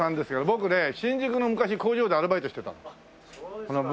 僕ね新宿の昔工場でアルバイトしてたの。